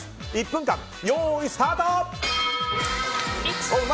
１分間よーい、スタート！